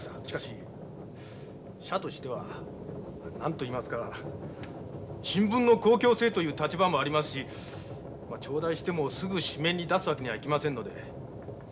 しかし社としては何と言いますか新聞の公共性という立場もありますしちょうだいしてもすぐ紙面に出すわけにはいきませんので。